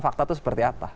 fakta itu seperti apa